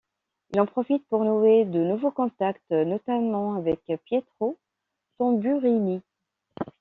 Il en profite pour nouer de nouveaux contacts, notamment avec Pietro Tamburini.